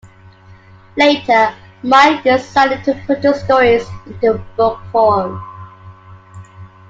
Later Mike decided to put the stories into book form.